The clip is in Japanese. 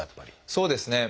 そうですね